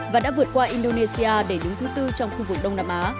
và đã vượt qua indonesia để đứng thứ tư trong khu vực đông nam á